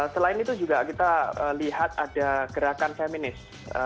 selain itu juga kita lihat ada gerakan feminis